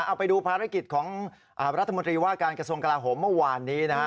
เอาไปดูภารกิจของรัฐมนตรีว่าการกระทรวงกลาโหมเมื่อวานนี้นะฮะ